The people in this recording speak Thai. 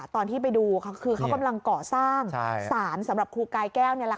ตอนที่ไปดูคือเขากำลังก่อสร้างสารสำหรับครูกายแก้ว